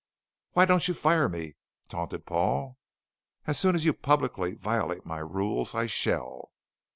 "Why don't you fire me?" taunted Paul. "As soon as you publicly violate my rules, I shall."